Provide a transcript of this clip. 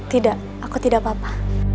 tidak aku tidak apa apa